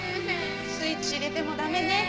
スイッチ入れても駄目ね。